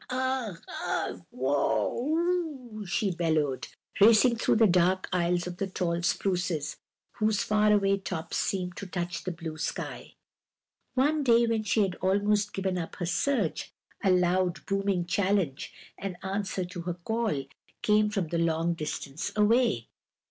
"Ugh ugh waugh, o o o" she bellowed, racing through the dark aisles of the tall spruces, whose far away tops seemed to touch the blue sky. One day, when she had almost given up her search, a loud, booming challenge, an answer to her call, came from a long distance away.